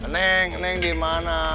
neng neng dimana